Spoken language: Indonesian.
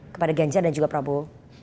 kepada ganjar dan juga prabowo